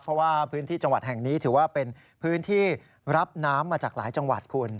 เพราะว่าพื้นที่จังหวัดแห่งนี้ถือว่าเป็นพื้นที่รับน้ำมาจากหลายจังหวัดคุณ